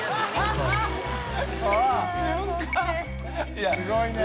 い筺すごいね。